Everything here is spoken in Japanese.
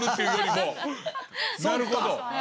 なるほど。